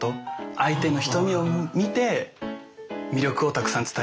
相手の瞳を見て魅力をたくさん伝える。